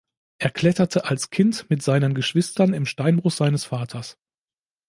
Er kletterte als Kind mit seinen Geschwistern im Steinbruch seines Vaters.